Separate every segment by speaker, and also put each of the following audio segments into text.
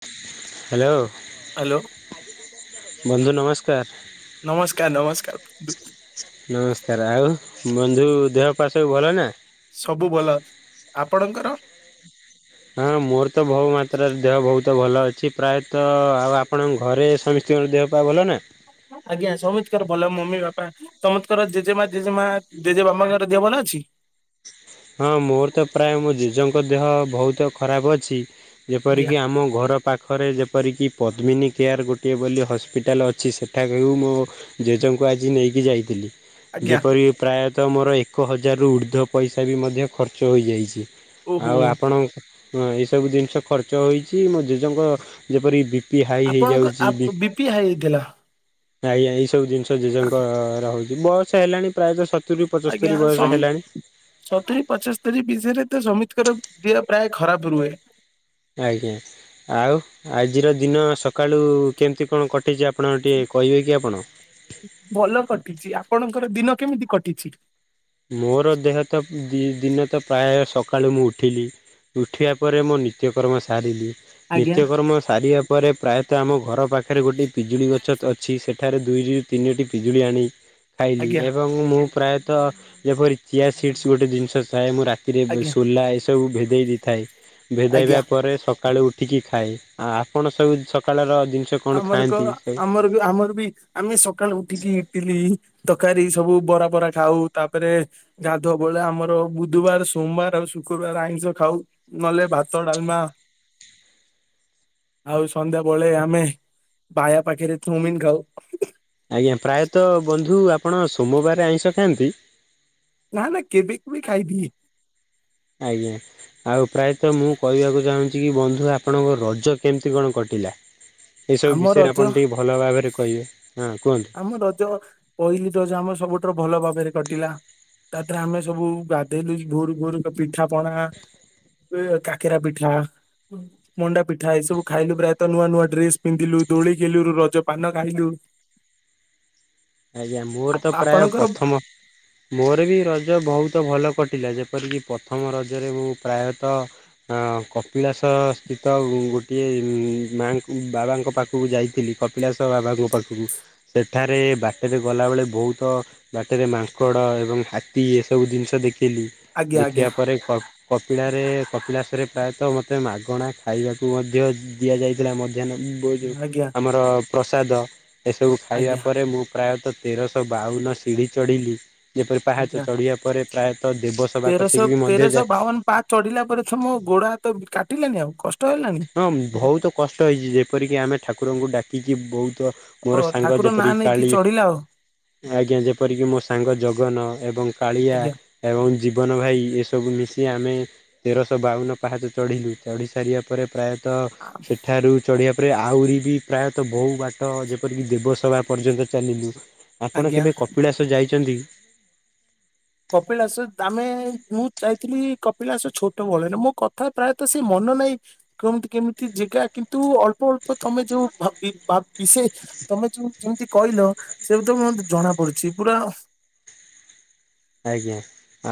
Speaker 1: Hello ବନ୍ଧୁ ନମସ୍କାର।
Speaker 2: ନମସ୍କାର ନମସ୍କାର।
Speaker 1: ନମସ୍କାର ଆଉ ବନ୍ଧୁ ଦେହ ପା ସବୁ ଭଲ ନା?
Speaker 2: ସବୁ ଭଲ ଆପଣଙ୍କର
Speaker 1: ହଁ ମୋର ତ ବହୁ ମାତ୍ରାରେ ଦେହ ବହୁ ତ ଭଲ ଅଛି ପ୍ରାୟତଃ ଆଉ ଆପଣଙ୍କ ଘରେ ସମୀସ୍ତଙ୍କର ଦେହ ପା ଭଲ ନା?
Speaker 2: ଆଜ୍ଞା ସମିତିଙ୍କର ଭଲ ମମି, ବାପା, [unintelligible] ଜେଜେମା, ଜେଜେମା ଜେଜେବାପାଙ୍କର ଦେହ ଭଲ ଅଛି? [unintelligible]
Speaker 1: ହ [unintelligible] ଜେଜଙ୍କ ଦେହ ବହୁତ ଖରାପ ଅଛି
Speaker 2: ଆଜ୍ଞା
Speaker 1: ଯେପରିକି ଆମ ଘର ପାଖରେ ଯେ ଯେପରିକି ପଦ୍ମିନୀ କେୟାର ଗୋଟିଏ ବୋଲି ହସ୍ପିଟାଲ୍ ଅଛି ସେଠାକ ରୁ ମୋ ଜେଜଙ୍କୁ ଆଜି ନେଇି କି ଯାଇଥିଲି।
Speaker 2: ଆଜ୍ଞା
Speaker 1: ଯେପରିକି ପ୍ରାୟତଃ ମୋର ଏକ ହଜାରରୁ ଉର୍ଦ୍ଧ୍ୱ ପଇସା ବି ମଧ୍ୟ ଖର୍ଚ୍ଚ ହୋଇଯାଇଚି।
Speaker 2: ଓହୋ
Speaker 1: ଆଉ ଆପଣ ଏସବୁ ଜିନିଷ ଖର୍ଚ୍ଚ ହୋଇଛି ମୋ ଜେଜେଙ୍କ ଯେପରି ବି ବି ପି ହାଇ
Speaker 2: ଆପଣଙ୍କ
Speaker 1: ହେଇଯାଉଚି ବି
Speaker 2: ପି ହାଇ ହେଇଥିଲା
Speaker 1: ଆଜ୍ଞା ଏଇ ସବୁ ଜିନିଷ ଜେଜେଙ୍କର ହଉଚି ବୟସ ହେଲାଣି। ପ୍ରାୟତଃ ସତୁରୀ ପଚୋସ୍ତୋରି ବୟସ ହେଲାଣି।
Speaker 2: ପଚସ୍ତୋରି [unintelligible] ରେ ତ ସମିତିଙ୍କର ଦେହ ପ୍ରାୟ ଖରାପ ରୁହେ।
Speaker 1: ଆଜ୍ଞା ଆଉ ଆଜିର ଦିନ ସକାଳୁ କେମିତି କଣ କଟିଚି ଆ
Speaker 2: ଭଲ କଟିଚି ଆପଣଙ୍କର ଦିନ କେମିତି କଟିଚି?
Speaker 1: ମୋର ଦେହ ତ ଦିନ ତ ପ୍ରାୟ ସକାଳୁ ମୁଁ ଉଠିଲି ଉଠିବା ପରେ ମୋ ନିତ୍ୟକର୍ମ ସାରିଲି।
Speaker 2: ଆଜ୍ଞା
Speaker 1: ନିତ୍ୟକର୍ମ ସାରିବା ପରେ ପ୍ରାୟତଃ ଆମ ଘର ପାଖରେ ଗୋଟିଏ ପିଜୁଳି ଗଛ ଅଛି ସେ ଏଠାରେ ଦୁଇ ରୁ ତିନିଟି ପିଜୁଳି ଆଣି ଖାଇଲି
Speaker 2: ଆଜ୍ଞା
Speaker 1: ଏବଂ ମୁଁ ପ୍ରାୟତଃ ଯେପରି ଚିଆସିଟ୍ସ୍ ଗୋଟେ ଜିନିଷ ଥାଏ ମୁଁ ରାତିରେ
Speaker 2: ଆଜ୍ଞା
Speaker 1: ସୋଲା ଏସବୁ ଭେଦେଇ ଦେଇଥାଏ।
Speaker 2: ଆଜ୍ଞା
Speaker 1: ଭେଦାଇବା ପରେ ସକାଳୁ ଉଠିକି ଖାଏ ଆ ଆପଣ ସବୁ ସକାଳର ଜିନିଷ କଣ
Speaker 2: ଆମର କ
Speaker 1: ଖାଆନ୍ତି?
Speaker 2: ଆମର ବି ଆମର ବି ଆମେ ସକାଳୁ ଉଠିକି ଇଟିଲି ତରକାରୀ ସବୁ ବରା ବରା ଖାଉ ତାପରେ ଗାଧୁଆ ବେଳେ ଆମର ବୁଧୁବାର ସୋମବାର ଆଉ ଶୁକ୍ରବାରେ ଆଇଁଷ ଖାଉ ନହେଲେ ଭାତ, ଡ଼ାଲମା
Speaker 1: ହ [inaudible]
Speaker 2: ଆଉ ସନ୍ଧ୍ୟାବଳେ ଆମେ ବାୟା ପାଖରେ ଚୁଉମିନ୍ ଖାଉ।
Speaker 1: ଆଜ୍ଞା ପ୍ରାୟତଃ ବନ୍ଧୁ ଆପଣ ସୋମବାରେ ଆଇଁସ ଖାଆନ୍ତି?
Speaker 2: ନାଁ ନାଁ କେବେ କେବେ ଖାଇଦିଏ।
Speaker 1: ଆଜ୍ଞା ଆଉ ପ୍ରାୟତଃ ମୁଁ କହିବାକୁ ଚାହୁଁଛି କି ବନ୍ଧୁ ଆପଣଙ୍କ ରଜ କେମତି କଣ କଟି ଲା ଏସବୁ
Speaker 2: ଆମ
Speaker 1: ବିଷୟରେ
Speaker 2: ରଜ
Speaker 1: ଆପଣ ଟିକେ ଭଲ ଭାବରେ କହିବେ। ହଁ କୁହନ୍ତୁ।
Speaker 2: ଆମ ରଜ ପହିଲି ରଜ ଆମ ସବୁଠାରୁ ଭଲ ଭାବରେ କଟିଲା ତାଦେରେ ଆମେ ସବୁ ଗାଧେଇଲୁ ଭୋରୁ ଭୋରୁ ପିଠା ପଣା [unintelligible] କାକେରା ପିଠା। ମଣ୍ଡା ପିଠା ଏଇ ସବୁ ଖାଇଲୁ, ପ୍ରାୟତଃ ନୂଆ ନୂଆ ଡ୍ରେସ ପିନ୍ଧିଲୁ, ଦୋଳି ଖେଲୁରୁ, ରଜ ପାନ ଖାଇଲୁ
Speaker 1: [inaudible] ଆଜ୍ଞା। ମୋର ତ
Speaker 2: ଆପ-
Speaker 1: ପ୍ରାୟ
Speaker 2: ଆପଣଙ୍କର
Speaker 1: ପ୍ରଥମ। ମୋର ବି ରଜ ବହୁତ ଭଲ କଟି ଟିଲା, ଯେପରିକି ପ୍ରଥମ ରଜରେ ମୁଁ ପ୍ରାୟତଃ ଅଁ କପିଳାଶ ସ୍ଥିତ ଗୋଟିଏ ମାଆଙ୍କୁ ବାବାଙ୍କ ପାଖକୁ ଯାଇଥିଲି କପିଳାଶ ବାବାଙ୍କ ପାଖକୁ, ସେଠାରେ ବା ବାଟରେ ଗଲାବେଳେ ବହୁତ ବାଟରେ ମାଙ୍କଡ଼ ଏବଂ ହାତୀ ଏସବୁ ଜିନିଷ ଦେଖି ଥିଲି,
Speaker 2: ଆଜ୍ଞା ଆଜ୍ଞା
Speaker 1: ଦେଖିଆ ପରେ କ କପିଳାରେ କପିଳାସରେ ପ୍ରାୟତଃ ମୋତେ ମାଗଣା ଖାଇବାକୁ ମଧ୍ୟ ଦିଆଯାଇଥିଲା ମ ଯେନ୍ ଯିବ ଯୋଉ
Speaker 2: ଆଜ୍ଞା
Speaker 1: ଆମର ପ୍ରସାଦ, ଏସବୁ ଖାଇବା
Speaker 2: ଆଜ୍ଞା
Speaker 1: ପରେ ମୁଁ ପ୍ରାୟତଃ ତେରଶହ ବାଉନ ସିଢ଼ି ଚଢ଼ିଲି, ଯେପରି ପାହାଚ
Speaker 2: ଆଜ୍ଞା
Speaker 1: ଚଢ଼ିବା ପରେ ପ୍ରାୟ
Speaker 2: ତେରଶହ ତେରଶହ ବାଉନ ପାହାଚ ଚଢିଲା ପରେ ତ ମୋ ଗୋଡ ହାତ କାଟିଲାନି ଆଉ। କଷ୍ଟ ହେଲାନି
Speaker 1: ହଁ ବହୁତ କଷ୍ଟ ହେଇଛି। ଯେପରିକି ଆମେ ଠାକୁରଙ୍କୁ ଡାକିିକି ବହୁତ ତ
Speaker 2: ଓ
Speaker 1: ମୋର ସାଙ୍ଗ
Speaker 2: ଠାକୁର ନାଁ
Speaker 1: ଯେପରି
Speaker 2: ନେଇକି
Speaker 1: କାଳି
Speaker 2: ଚଢିଲା ଆଉ
Speaker 1: ଆଜ୍ଞା। ଯେପରିକି ମୋ ସାଙ୍ଗ ଜଗନ ଏବଂ କାଳିଆ
Speaker 2: ଆଜ୍ଞା
Speaker 1: ଏବଂ ଜୀ ଜୀବନ ଭାଇ, ଏସବୁ ମିଶି ଆମେ ତେରଶହ ବାଉନ ପାହାଚ ଚଢ଼ିଲୁ। ଚଢ଼ି ସାରିବା ପରେ ପ୍ରାୟ ତ,
Speaker 2: ଆ-
Speaker 1: ସେଠାରୁ ଚଢ଼ିବା ତାପରେ ଆହୁରି ବି ପ୍ରାୟତଃ ବହୁ ବାଟ, ଯେପରିକି ଦେବସଭା ପର୍ଯ୍ୟନ୍ତ ଚାଲିଲୁ। ଆପଣ
Speaker 2: ଆଜ୍ଞା
Speaker 1: କେବେ କପିଳାସ ଯାଇଚନ୍ତି କି?
Speaker 2: କପିଳାସ ତା ଆମେ ମୁଁ ଯାଇଥିଲି କପିଳାସ ଛୋଟବେଳରେ, ମୋ କଥା ପ୍ରାୟତଃ ସେଇ ମନେ ମନ ନେଇ କମତି କେମତି ଜେଗା କିନ୍ତୁ ଅଳ୍ପ ଅଳ୍ପ ତମେ ଯୋଉ ବା ବି ବା ବିଶେ ତମେ ଯୋଉ ଯେମତି କଇଲ ସେମତି ମ ଜଣାପଡୁଛି, ପୁରା
Speaker 1: ଆଜ୍ଞା।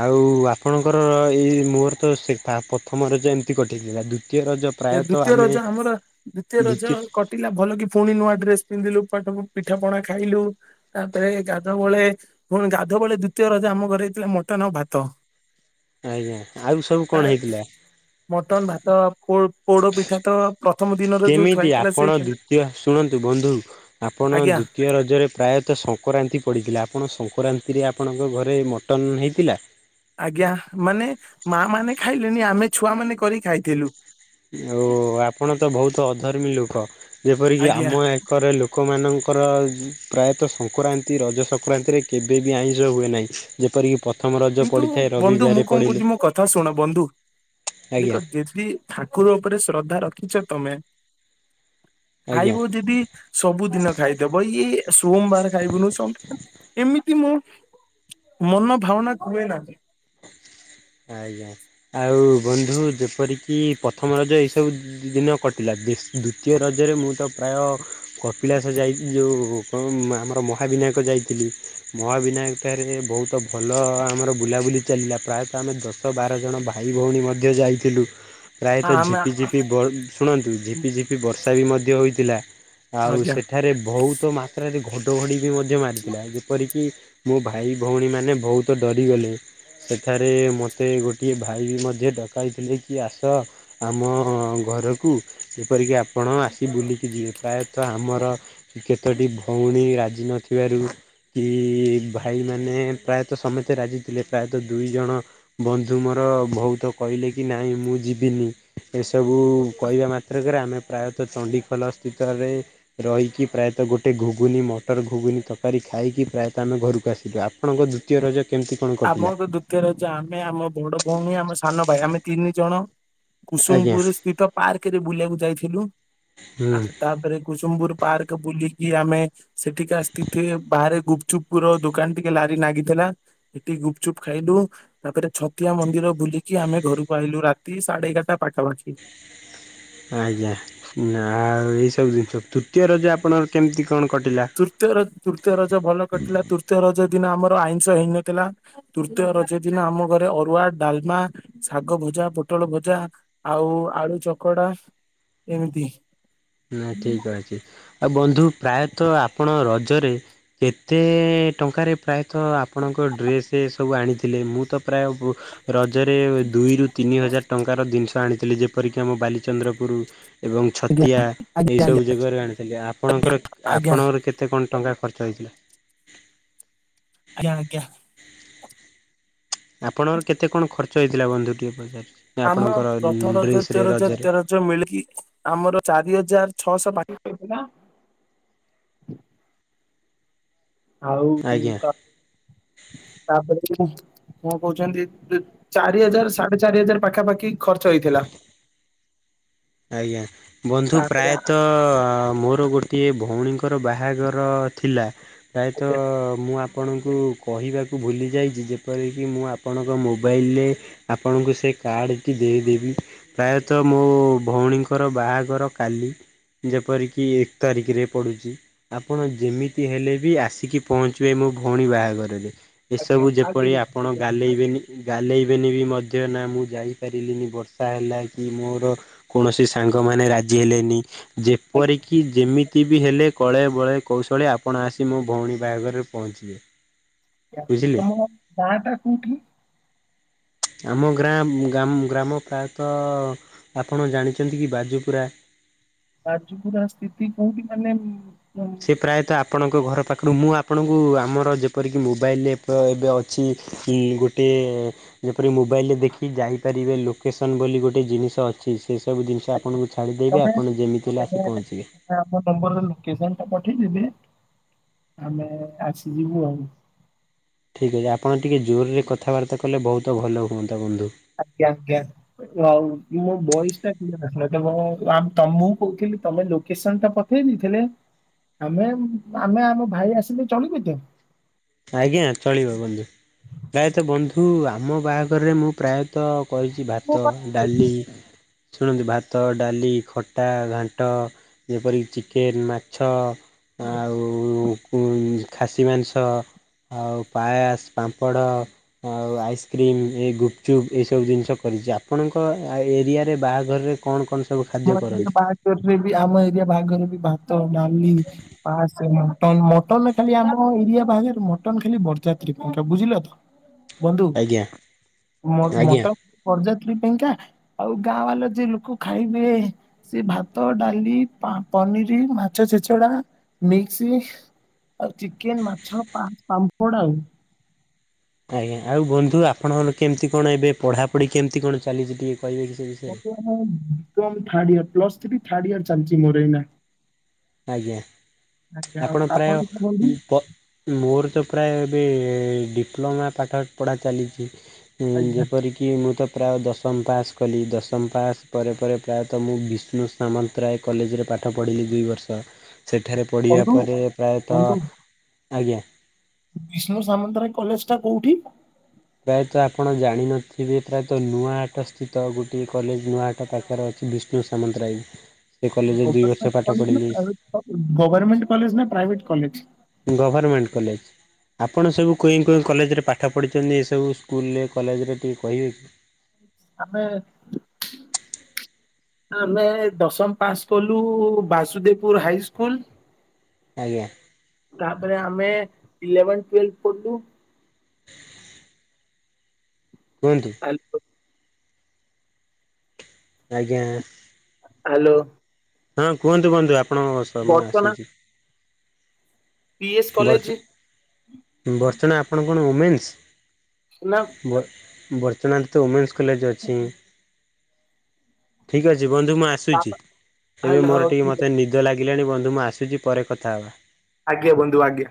Speaker 1: ଆଉ ଆପଣଙ୍କର ଏଇ ମୋର ତ ସେଇ ଫା ପ୍ରଥମ ରଜ ଏମତି କଟିଥିଲା। ଦୁ
Speaker 2: ଦୁତୀୟ ରଜ ଆମର ଦ୍ଵିତୀୟ ରଜ କଟିଲା ଭଲ କି ଫୁଣି ନୂଆ ଡ୍ରେସ୍ ପିନ୍ଧିଲୁ ଉପାଟକୁ ପିଠା ପଣା ଖାଇଲୁ, ତାପରେ ଗାଧୁଆବଳେ, ପୁଣି ଗାଧୁଆବେଳେ ଦ୍ଵିତୀୟ ରଜ ଆମ ଘରେ ହେଇଥିଲା ମଟନ୍ ଟନ ଆଉ ଭାତ।
Speaker 1: ଆଜ୍ଞା ଆଉ ସବୁ କଣ
Speaker 2: ଆର
Speaker 1: ହେଇଥିଲା
Speaker 2: ମଟନ, ଭାତ ପୋ-ପୋଡ ପିଠା ତ ପ୍ରଥମ ଦିନର ଯୋଉ ଥୁଆ
Speaker 1: କେମିତି
Speaker 2: ହେଇଥିଲା
Speaker 1: ଆପଣ
Speaker 2: ସେଇ
Speaker 1: ଦ୍ଵିତୀୟ ଶୁଣନ୍ତୁ ବନ୍ଧୁ। ଆପଣ
Speaker 2: ଆଜ୍ଞା
Speaker 1: ଦ୍ଵିତୀୟ ରଜରେ ପ୍ରାୟତଃ ସ ସଂକରାନ୍ତି ପଡିଥିଲା। ଆପଣ ସଂକରାନ୍ତିରେ ଆପଣଙ୍କ ଘରେ ମଟନ ହେଇଥିଲା?
Speaker 2: ଚାଲିଲିନି ଆମେ ଛୁଆ ମାନେ କରି ଖାଇଥିଲୁ।
Speaker 1: ଆଉ ଆପଣ ତ ବହୁତ ଅଧର୍ମୀ ଲୋକ। ଯେପରିକି
Speaker 2: ଆଜ୍ଞା
Speaker 1: ଆମ ଏକରେ ଲୋକମାନଙ୍କୁ ର ପ୍ରାୟତଃ ସଂକରାନ୍ତି ରଜ ସଂକରାନ୍ତିରେ କେବେ ବି ଆଇଁଷ ହୁଏ ନାହିଁ। ଯେପରିକି ପ
Speaker 2: କିନ୍ତୁ ବନ୍ଧୁ ମୁଁ କଣ କହୁଚି ମୋ କଥା ଶୁଣ, ବନ୍ଧୁ। ଦେଖ
Speaker 1: ଆଜ୍ଞା
Speaker 2: ଯେଦି ଠାକୁ ଠାକୁର ଉପରେ ଶ୍ରଦ୍ଧା ରଖିଛ ତମେ?
Speaker 1: ଆଜ୍ଞା
Speaker 2: ଖାଇବୁ ଯିଦି ସବୁଦିନ ଖାଇଦବ। ଇଏ ସୋମବାର ଖାଇବୁନୁ, ସଂକ ଏମିତି ମୁଁ ମନ ଭାବନା ହୁଏନା କି।
Speaker 1: ଆଉ ବନ୍ଧୁ ଯେପରିକି ପ୍ରଥମ ରଜ ଏଇ ସବୁ ଦି-ଦିନ କଟିଲା। ଦି ଦୁତୀୟ ରଜରେ ମୁଁ ତ ପ୍ରାୟ କପିଳାସ ଯାଇ ଯୋଉ କଣ, ଆମର ମହାବିନା ବିନାୟକ ଯାଇଥିଲି। ମହାବିନାୟକଠାରେ ବହୁତ ଭଲ ଆମର ବୁଲାବୁଲି ଚାଲିଲା, ପ୍ରାୟ ତଃ ଆମେ, ଦଶ ବାର ଜଣ ଭାଇ ଭଉଣୀ ମଧ୍ୟ ଯାଇଥିଲୁ। ପ୍ରାୟତଃ
Speaker 2: ଆମେ
Speaker 1: ଝିପି ଝିପି ବର୍ ଶୁଣନ୍ତୁ ଝିପି ଝିପି ବର୍ଷା ବି ମଧ୍ୟ ହୋଇଥିଲା। ଆଉ
Speaker 2: ଆଜ୍ଞା
Speaker 1: ସେଠାରେ ବହୁତ ମାତ୍ରାରେ ଘଡଘଡି ବି ମଧ୍ୟ ମାରିଥିଲା। ଯେପରିକି ମୋ ଭାଇ ଭଉଣୀମାନେ ବହୁତ ଡରିଗଲେ। ସେଠା ରେ ମୋତେ ଗୋଟିଏ ଭାଇ ବି ମଧ୍ୟ ଡକାଇଥିଲେ କି ଆସ, ଆମ ଘରକୁ। ଯେପରିକି ଆପଣ ଆସି ବୁଲିକି ଯିବେ। ପ୍ରାୟତଃ ଆମର କେତୋଟି ଭଉଣୀ ରାଜି ନଥିବାରୁ କି ଭାଇ ମାନେ ପ୍ରାୟତଃ ସମସ୍ତେ ରାଜି ଥିଲେ, ପ୍ରାୟତଃ ଦୁଇ ଜଣ ବନ୍ଧୁ ମୋର ବହୁତ କହିଲେ କି, ନାଇଁ ମୁଁ ଯିବିନି। ଏସବୁ କହିବା ମାତ୍ରକରେ ଆମେ ପ୍ରାୟତଃ ଚଣ୍ଡିଖୋଲ ସ୍ଥିତରେ ରହିକି ପ୍ରାୟତ ଗୋଟେ ଘୁଘୁନି ମଟର ଘୁଘୁନି ତରକାରୀ ଖାଇକି ପ୍ରାୟତଃ ଆମେ ଘରକୁ ଆସିଲୁ ଆପଣଙ୍କ ଦ୍ୱିତୀୟ ରଜ କେମିତି କଣ କଟିଲା?
Speaker 2: ଆମର ଦ୍ଵିତୀୟ ରଜ ଆମେ ଆମ ବଡ ଭଉଣୀ ଆମ ସାନ ଭାଇ ଆମେ ତିନି ଜଣ
Speaker 1: ଆଜ୍ଞା
Speaker 2: କୁସୁମପୁରୁ ସ୍ଥିତ ପାର୍କରେ ବୁଲିବାକୁ ଯାଇଥିଲୁ ଆ
Speaker 1: ହୁଁ।
Speaker 2: ତାପରେ କୁସୁମପୁର ପାର୍କ ବୁଲିକି ଆମେ ସେଠିକା ସ୍ଥିତି ରେ ବାହାରେ ଗୁପଚୁପ ର ଦୋକାନ ଟିକେ ଲାରି ନାଗିଥିଲ ଲା। ଏଠି ଗୁପଚୁପ୍ ଖାଇଲୁ ତାପରେ ଛତିଆ ମନ୍ଦିର ବୁଲିକି ଆମେ ଘରକୁ ଆଇଲୁ ରାତି ସାଢେ ଏଗାରଟା ପା। [unintelligible]
Speaker 1: ଆଜ୍ଞା ଆଉ ଏଇ ସବୁ ଜିନିଷ ତୃତୀୟ ରଜ ଆପଣଙ୍କର କେମିତି କଣ କଟିଲା?
Speaker 2: ତୃତୀୟ ର ତୃତୀୟ ରଜ ଭଲ କଟିଲା ତୃତୀୟ ରଜ ଦିନ ଆମର ଆଇଁଷ ହେଇନଥିଲା ତୃତୀୟ ରଜ ଦିନ ଆମ ଘରେ ଅରୁଆ, ଡାଲମା, ଶାଗ ଭୁଜା, ପୁ ଟଳ ଭଜା ଆଉ ଆଳୁ ଚକଡା ଏମିତି।
Speaker 1: ନା ଠିକ ଅଛି ଆଉ ବ ତୁ ପ୍ରାୟତଃ ଆପଣ ରଜରେ କେତେ ଟଙ୍କାରେ ପ୍ରାୟତଃ ଆପଣଙ୍କ ଡ୍ରେ ସେ ସବୁ ଆଣିଥିଲେ ମୁଁ ତ ପ୍ରାୟ ରଜରେ ଦୁଇରୁ ତିନି ହଜାର ଟଙ୍କାର ଜିନି ଆଣୀଥିଲି ଯେପରିକି ଆମ ବାଲିଚନ୍ଦ୍ରପୁର ଏବଂ ତିଆ
Speaker 2: ଆଜ୍ଞା ଆଜ୍ଞା
Speaker 1: ଏଇସବୁ
Speaker 2: ଆଜ୍ଞା
Speaker 1: ଜଗରେ ଆଣିଥିଲି ଆପଣଙ୍କର
Speaker 2: ଆଜ୍ଞା
Speaker 1: ଆପଣଙ୍କର କେତେ କଣ ଟଙ୍କା ଖର୍ଚ୍ଚ ହୋଇଥିଲା।
Speaker 2: ଆଜ୍ଞା ଆଜ୍ଞା।
Speaker 1: [inaudible] ଆପଣଙ୍କର କେତେ କଣ ଖର୍ଚ୍ଚ ହେଇଥିଲା ବନ୍ଧୁଟିଏ ବଜାର
Speaker 2: [unintelligible] ଛଅଶହ ବାକି ବା
Speaker 1: ଆଜ୍ଞା
Speaker 2: [unintelligible] କଣ କହୁଛନ୍ତି ଚାରି ହଜାର ସାଢେ ଚାରି ହଜାର ପାଖାପାଖି ଖର୍ଚ୍ଚ ହେଇଥିଲା।
Speaker 1: [inaudible] ଆଜ୍ଞା ବନ୍ଧୁ
Speaker 2: ତାପରେ
Speaker 1: ପ୍ରାୟତଃ ମୋର ଗୋ ଗୋଟିଏ ଭଉଣୀଙ୍କର ବାହାଘର ଥିଲା ପ୍ରାୟତଃ
Speaker 2: ଆଜ୍ଞା
Speaker 1: ମୁଁ ଆପଣଙ୍କୁ କହିବାକୁ ଭୁଲି ଯାଇଛି ଯେପରିକି ମୁଁ ଆପଣଙ୍କ ମୋବାଇଲରେ ଆପଣଙ୍କୁ ସେ କାର୍ଡଟି ଦେଇଦେବି ପ୍ରାୟତଃ ମୋ ଭଉଣୀଙ୍କର ବାହାଘର କାଲି ଯେପରିକି ଏକ ତାରିଖରେ ପଡ଼ୁଛି ଆପଣ ଯେମିତି ହେଲେ ବି ଆସିକି ପହଞ୍ଚିବେ ମୁ ମୋ ଭଉଣୀ ବାହାଘରରେ
Speaker 2: ଆଜ୍ଞା
Speaker 1: ଏସବୁ
Speaker 2: ଆଜ୍ଞା
Speaker 1: ଯେପରି ଆପଣ
Speaker 2: ନିଶ୍ଚିତ
Speaker 1: ଗାଲେଇବେନି। ଗାଲେଇବେନି ବି ମଧ୍ୟ ନା ମୁଁ ଯାଇପାରିଲିନି ବର୍ଷା ହେଲା କି ମୋର କୌଣସି ସାଙ୍ଗମାନେ ରାଜି ହେଲେନି
Speaker 2: ଆଜ୍ଞା
Speaker 1: ଯେପରିକି ଯେମି ଏତି ବି ହେଲେ କଳେ ବଳେ କୌଶଳେ ଆପଣ ଆସି ମୋ ଭଉଣୀ ବାହାଘରରେ ପହଞ୍ଚିବେ। ବୁଝିଲେ
Speaker 2: ତମ ଗାଁ ଟା କୋଉଠି?
Speaker 1: ଆମ ଗ୍ରାମ୍ ଗ୍ରାମ ଗ୍ରାମ ପ୍ରାୟତଃ ଆପଣ ଜାଣିଛନ୍ତି କି ବାଜୁପୁରା? ହଁ
Speaker 2: ରାଜପୁରା ସ୍ଥିତି କୋଉଠି ମାନେ
Speaker 1: ସେ ପ୍ରାୟତଃ ଆ ଆପଣଙ୍କ ଘର ପାଖରୁ ମୁଁ ଆପଣଙ୍କୁ ଆମର ଯେପରିକି ମୋବାଇଲେପ ଏବେ ଅଛି ଉଁ ଗୋଟିଏ ଯେପରି ମୋବାଇଲରେ ଦେଖି ଯାଇପାରିବେ ଲୋକେସନ ବୋଲି ଗୋଟେ ଜିନିଷ ଅଛି ସେ ସବୁ ଜିନିଷ
Speaker 2: ଆଜ୍ଞା
Speaker 1: ଆପଣଙ୍କୁ ଛାଡ଼ିଦେବେ
Speaker 2: ତମେ
Speaker 1: ଆପଣ ଯେମିତି ହେଲେ
Speaker 2: ତମେ
Speaker 1: ଆସି ପହଞ୍ଚିବେ।
Speaker 2: ଆମ ନମ୍ବରରେ ଲୋକେସନ ଟା ଆମେ ଆସିି ଯିବୁ ଆଉ।
Speaker 1: ଯଦି ଆପଣ ଟିକେ ଜୋରରେ କଥାାର୍ତ୍ତା କଲେ ବହୁତ ଭଲ ହୁଅନ୍
Speaker 2: ଆଜ୍ଞା ଆଜ୍ଞା ହଉ। ମୁ ବଇସଟାଥିଲା ତ ତ ମୁ କହୁଥିଲି ତମେ ଲୋକେସନ ଟା ପଠେଇ ଦେଇଥିଲେ ଆମେ ଆମେ ଆମ ଭାଇ ଆସିଲେ ଚଳିବୁ ତ।
Speaker 1: ଆଜ୍ଞା ଚଳିବ ବନ୍ଧୁ ପ୍ରାୟତଃ ବନ୍ଧୁ ଆମ ବାହାଘରରେ ମୁଁ ପ୍ରାୟତଃ କରିଛି ଭାତ ଡାଲି ଶୁଣନ୍ତିୁ ଭାତ ଡାଲି ଖଟା ଘାଣ୍ଟ ଯେପରିକି ଚିକେନ ମାଛ ଆଉ ଖାସି ମାଂସ ଆଉ ପାୟାସ ପାମ୍ପଡ଼ ଆଉ ଆଇସ୍କ୍ରିମ୍ ଏ ଗୁପଚୁପ୍ ଏଇସବୁ ଜିନିଷ ଏରିଯା ଆପଣଙ୍କ ଏରିଆରେ ବାହାଘର କଣ କ
Speaker 2: [unintelligible] ବାହାଘରେ ବି ଆମ ଏରିଆ ବାହାର ବି ଭାତ ଡାଲି ପାସ ଏମ୍ ମଟନ ଖାଲି ଆମ ଏରିଆ ବାହାଘ ମଟନ ଖାଲି ବରଯାତ୍ରୀ ପାଇ ବୁଝିଲ ତ। ବନ୍ଧୁ
Speaker 1: ଆଜ୍ଞା
Speaker 2: ମ ମଟ
Speaker 1: ଆଜ୍ଞା
Speaker 2: ବାରଯାତ୍ରୀ ପାଇଁକା ଆଉ ଗାଁ ବାଲା ଯିଏ ଲୋକ ଖାଇ ଏ ସେ ଭାତ ଡାଲି ପାମ ପନିର ମାଛ ଛେଚଡା ମିକ୍ସ। ଚିକେନ୍ ମାଛ ପା ପାମ୍ପୋଡ଼ ଆଉ।
Speaker 1: ଆଜ୍ଞା ଆଉ ବନ୍ଧୁ ଆପଣଙ୍କର କେମିତି କଣ ଏବେ ପଢାପଢି କେମିତି କଣ ଚାଲିଛି ଟିକେ କହିବେ କି ସେ ବିଷୟରେ
Speaker 2: [unintelligible] ଥାର୍ଡାୟିର ପ୍ଲସଥ୍ରି ଥାର୍ଡାୟିର ଚାଲଚି ମୋର ଏଇନା।
Speaker 1: ଆଜ୍ଞା
Speaker 2: ଆଜ୍ଞା ଆଉ
Speaker 1: ଆପଣ
Speaker 2: ଆପଣଙ୍କ ବନ୍ଧୁ
Speaker 1: ପ୍ରାୟ ପ ମୋର ତ ପ୍ରାୟ ଏବେ ଡିପ୍ଲୋମା ପାଠ ପଢ଼ା ଚାଲିଛି
Speaker 2: ଆଜ୍ଞା
Speaker 1: ଯେପରିକି ମୁଁ ତ ପ୍ରାୟ ଦଶମ ପାସ୍ କଲି ଦଶମ ପାସ୍ ପରେ ପରେ ପ୍ରାୟତଃ ମୁଁ ବିଷ୍ଣୁ ସାମନ୍ତରାୟ କଲେଜରେ ପା ପାଠ ପଢିଲି ଦୁଇ ବର୍ଷ ସେଠାରେ ପଢ଼ିବା
Speaker 2: ବନ୍ଧୁ
Speaker 1: ପରେ
Speaker 2: ବନ୍ଧୁ
Speaker 1: ପ୍ରାୟତଃ ଆଜ୍ଞା।
Speaker 2: ବିଷ୍ଣୁ ସାମନ୍ତରାୟ କଲେଜ ଟା କୋଉଠି?
Speaker 1: ପ୍ରାୟତଃ ଆପଣ ଜାଣିନଥିବେ ପ୍ରାୟତଃ ନୂଆ ହାଟ ସ୍ଥିତ ଗୋଟଏ କଲେଜ ନୂଆ ହାଟ ପାଖରେ ଅ ବିଷ୍ଣୁ ସାମନ୍ତରାଇ।
Speaker 2: ଗଭର୍ମେଣ୍ଟ କଲେଜ ନା ପ୍ରାଇଭେଟ୍ କଲେଜ ଗଭର୍ମେଣ୍ଟ କଲେଜ ନା ପ୍ରାଇଭେଟ କଲେଜ?
Speaker 1: Government college. ଆପଣ ସବୁ କୁଇଁ କୁଇଁ କଲେଜରେ ପାଠ ପଢ଼ିଛନ୍ତି ଏ ସବୁ ସ୍କୁଲରେ କଲେଜରେ ଟିକେ କହିବେ କି?
Speaker 2: ଆମେ। ଆମେ ଦଶମ ପାସ କଲୁ ବାସୁଦେବପୁର ହାଇ ସ୍କୁଲ।
Speaker 1: ଆଜ୍ଞା।
Speaker 2: ତାପରେ ଆମେ ଇଲେଭେନ ଟୁଏଲଭ ପଢଲୁ।
Speaker 1: କୁହନ୍ତୁ
Speaker 2: ଆ
Speaker 1: ଆଜ୍ଞା।
Speaker 2: ହ୍ୟାଲୋ।
Speaker 1: ହଁ କୁହନ୍ତୁ କୁହନ୍ତୁ ଆପଣଙ୍କ ସମୟ
Speaker 2: ବର୍ତ୍ତମାନ
Speaker 1: ଆସିଛି।
Speaker 2: ପି ଏସ୍ କଲେଜ
Speaker 1: ବର୍ଚ ବର୍ଚ୍ଚଣା ଆପଣ କଣ ଓମେନ୍ସ?
Speaker 2: ନା।
Speaker 1: ବ ବର୍ଚ୍ଚଣାରେ ତ ୱମେନ୍ସ କଲେଜ ଅଛି। ଠିକ ଅଛି ବନ୍ଧୁ ମୁଁ ଆସୁଛି ଏବେ
Speaker 2: ହା
Speaker 1: ମୋର ଟିକେ
Speaker 2: ଠିକ ଅଛି
Speaker 1: ମତେ ନିଦ ଲା ଗିଲାଣି ବନ୍ଧୁ ମୁ ଆସୁଛି ପରେ କଥା ହବା।
Speaker 2: ଆଜ୍ଞା ବନ୍ଧୁ ଆଜ୍ଞା।